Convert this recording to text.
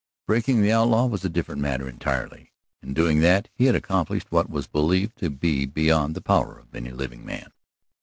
Breaking the outlaw was a different matter entirely. In doing that he had accomplished what was believed to be beyond the power of any living man.